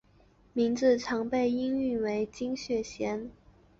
名字常被音译为金雪贤。